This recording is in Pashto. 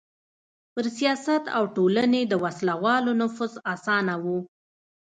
پر سیاست او ټولنې د وسله والو نفوذ اسانه و.